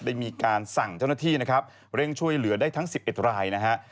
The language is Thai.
ได้มีการสั่งเจ้าหน้าที่นะครับเร่งช่วยเหลือได้ทั้ง๑๑รายนะฮะ